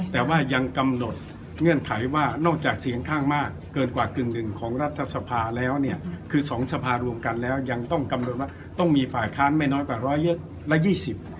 แต่ว่ายังกำหนดเงื่อนไขว่านอกจากเสียงข้างมากเกินกว่ากึ่งหนึ่งของรัฐสภาแล้วเนี่ยคือสองสภารวมกันแล้วยังต้องกำหนดว่าต้องมีฝ่ายค้านไม่น้อยกว่าร้อยเยอะละยี่สิบ